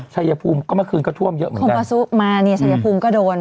ชัยภูมิก็เมื่อคืนท่วมเยอะเหมือนกันคอมปะซุมาชัยภูมิก็โดน